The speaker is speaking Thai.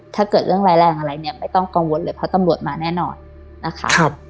ถ้าเกิดเรื่องร้ายแรงอะไรเนี่ยไม่ต้องกังวลเลยเพราะตำรวจมาแน่นอนนะคะ